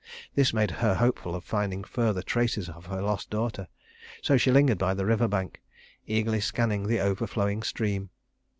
This made her hopeful of finding further traces of her lost daughter, so she lingered by the river bank, eagerly scanning the overflowing stream.